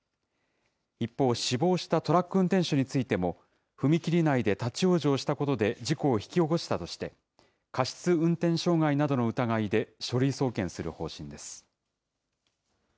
一方、死亡したトラック運転手についても、踏切内で立往生したことで事故を引き起こしたとして、過失運転傷害などの疑いで書類送検する方針です。